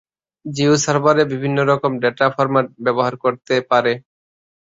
Jio server বিভিন্ন রকম data format ব্যবহার করতে পারে।